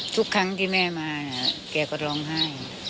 ทุกครั้งที่แม่มาแก่ก็ร้องไห้